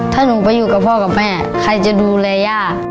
ถ้าหนูไปอยู่กับพ่อกับแม่ใครจะดูแลย่า